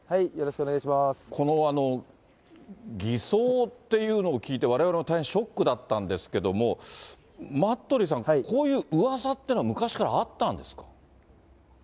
この偽装っていうのを聞いて、われわれも大変ショックだったんですけども、待鳥さん、こういううわさっていうのは昔からあったんですか。